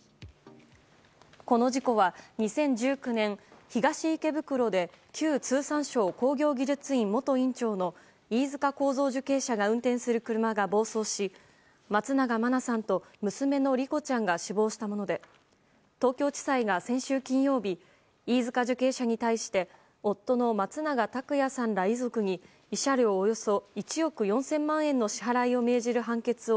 この事故は２０１９年東池袋で旧通産省工業技術院元院長の飯塚幸三受刑者が運転する車が松永真菜さんと娘の莉子ちゃんが死亡したもので東京地裁が先週金曜日飯塚受刑者に対して夫の松永拓也さんら遺族に慰謝料およそ１億４０００万円の支払いを命じた判決を